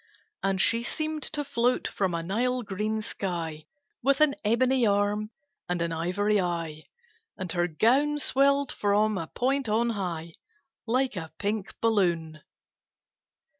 And she seemed to float from a Nile green sky, With an ebony arm and an ivory eye, And her gown swelled from a point on high, Like a pink balloon.